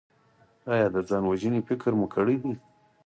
ایا د ځان وژنې فکر مو کړی دی؟